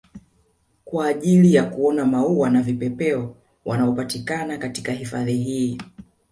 Kwa ajili ya kuona maua na vipepeo wanaopatikana katika hifadhi hii